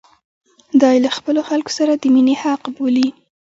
دا یې له خپلو خلکو سره د مینې حق بولي.